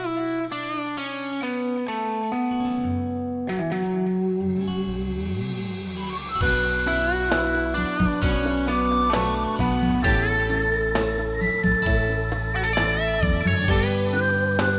เป็นชื่อว่า